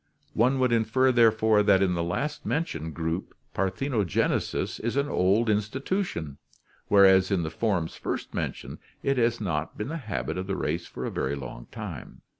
One would infer therefore that in the last mentioned group parthenogenesis is an old institution, whereas in the forms first mentioned it has not been the habit of the race for a very long time.